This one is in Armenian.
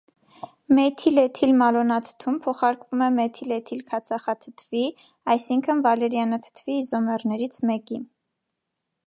Մեթիլէթիլմալոնաթթուն փոխարկվում է մեթիլէթիլքացախաթթվի, այսինքն՝ վալերիանաթթվի իզոմերներից մեկի։